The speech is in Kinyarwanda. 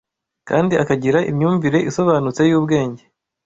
kandi akagira imyumvire isobanutse y’ubwenge